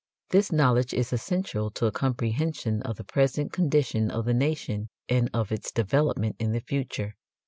This knowledge is essential to a comprehension of the present condition of the nation and of its development in the future.